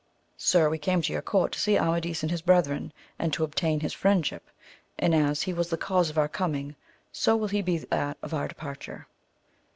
Sir, we came to your court to see Amadis and his brethren, and to obtain his friendship, and as he was the cause of our coming so will he be of our departure.